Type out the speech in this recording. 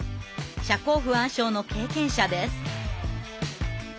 社交不安症の経験者です。